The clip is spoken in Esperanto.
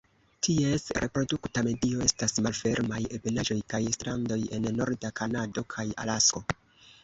Ties reprodukta medio estas malfermaj ebenaĵoj kaj strandoj en norda Kanado kaj Alasko.